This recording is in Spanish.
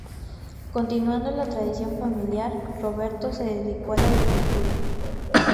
Continuando la tradición familiar, Roberto se dedicó a la agricultura.